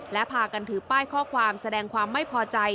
และพากันถือป้ายข้อความแสดงความไม่พอใจ